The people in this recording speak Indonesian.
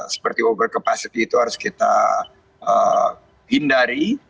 seperti over capacity itu harus kita hindari